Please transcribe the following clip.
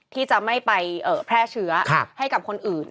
ที่จะไม่ไปแพร่เชื้อให้กับคนอื่น